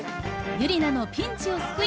ユリナのピンチを救い。